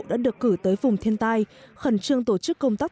đã được cử tới vùng thiên tai khẩn trương tổ chức công tác